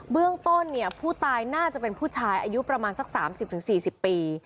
เบื้องต้นเนี่ยผู้ตายน่าจะเป็นผู้ชายอายุประมาณสักสามสิบถึงสี่สิบปี